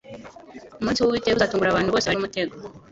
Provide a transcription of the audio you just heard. Umunsi w'Uwiteka uzatungura abantu bose bari ku isi nk'umutego,